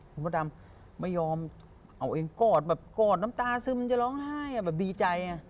คุณพระดำไม่ยอมเอาเองกอดแบบกอดน้ำตาซึมจะร้องไห้แบบดีใจ